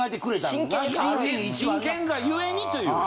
真剣がゆえにという。